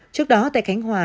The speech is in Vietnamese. trước đó tại khánh hòa